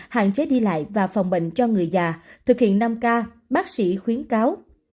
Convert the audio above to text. hạn chế đi lại và phòng bệnh cho người già thực hiện năm k bác sĩ khuyến cáo